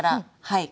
はい。